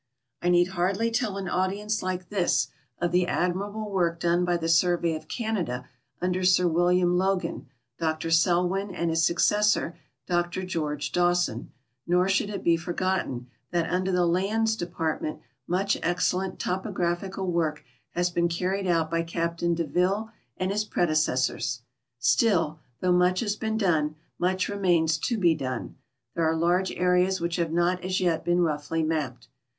I need hardly tell an audience like this of tbe admirable work done b}' the surve}^ of Canada under Sir William liOgan, Dr Selwjni, and his successor, Dr George Dawson ; nor sbould it l>e forgotten that under the lands department much excellent to pographical work has been carried out by Captain Deville and his predecessors. Still, though much has been done, much re mains to be done. There are large areas which have not as yet been roughly mapped.